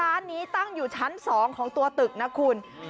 ร้านนี้ตั้งอยู่ชั้น๒ของตัวตึกนะคุณ